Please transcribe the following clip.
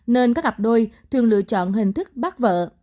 nên các cặp đôi thường lựa chọn hình thức bắt vợ